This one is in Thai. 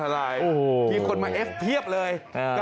ทะลมทะลายกี่คนมาเอฟเทียบเลย